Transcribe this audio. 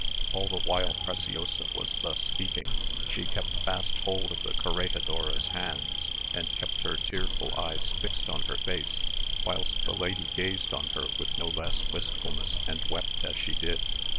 All the while Preciosa was thus speaking she kept fast hold of the corregidora's hands, and kept her tearful eyes fixed on her face, whilst the lady gazed on her with no less wistfulness, and wept as she did.